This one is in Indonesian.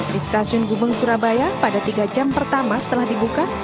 di stasiun gubeng surabaya pada tiga jam pertama setelah dibuka